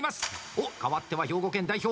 おっ、かわっては兵庫県代表。